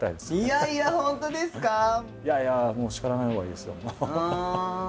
いやいやもう叱らないほうがいいですよ。